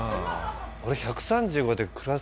俺。